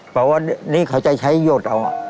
เพราะว่านี่เขาจะใช้หยดเอา